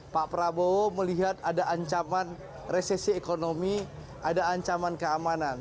pak prabowo melihat ada ancaman resesi ekonomi ada ancaman keamanan